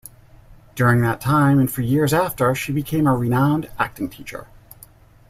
During that time, and for years after, she became a renowned acting teacher.